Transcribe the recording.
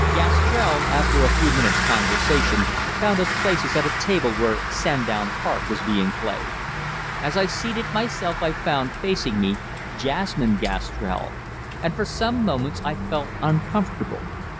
Gastrell, after a few minutes' conversation, found us places at a table where "Sandown Park" was being played. As I seated myself I found, facing me, Jasmine Gastrell, and for some moments I felt uncomfortable.